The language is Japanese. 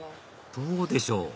どうでしょう？